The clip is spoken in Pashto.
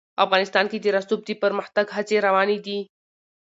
افغانستان کې د رسوب د پرمختګ هڅې روانې دي.